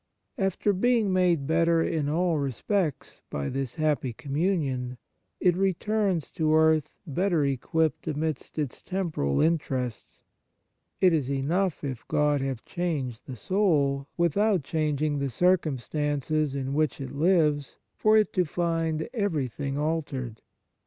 After being made better in all re spects by this happy communion, it returns to earth better equipped amidst its temporal interests. It is enough if God have changed the soul, without changing the circumstances in which it lives, for it to find every thing altered.